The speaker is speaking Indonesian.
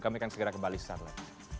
kami akan segera kembali sesaat lain